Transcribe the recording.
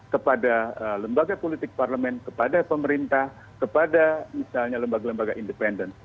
kepada lembaga politik parlemen kepada pemerintah kepada misalnya lembaga lembaga independen